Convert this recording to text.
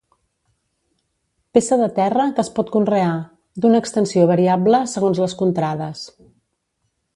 Peça de terra que es pot conrear, d'una extensió variable segons les contrades.